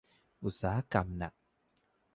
อุตสาหกรรมหนัก